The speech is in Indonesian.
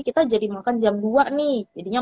kita jadi makan jam dua nih jadinya